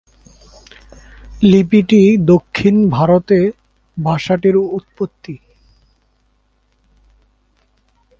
লিপিটি দক্ষিণ ভারতে ভাষাটির উৎপত্তি।